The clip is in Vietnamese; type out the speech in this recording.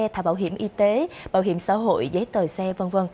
thả bảo hiểm y tế bảo hiểm xã hội giấy tờ xe v v